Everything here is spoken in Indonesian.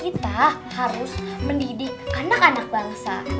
kita harus mendidik anak anak bangsa